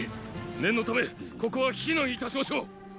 念のためここは避難いたしましょう！